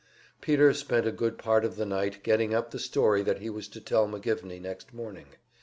Peter spent a good part of the night getting up the story that he was to tell McGivney next morning.